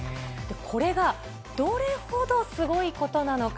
これがどれほどすごいことなのか。